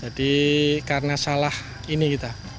jadi karena salah ini kita